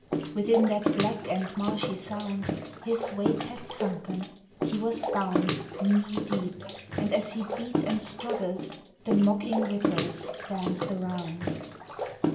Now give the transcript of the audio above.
Within that black and marshy sound His weight had sunken; he was bound Knee deep! and as he beat and struggled, The mocking ripples danced around.